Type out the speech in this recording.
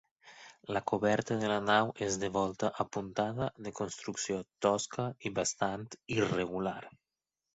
La coberta de la nau és de volta apuntada, de construcció tosca i bastant irregular.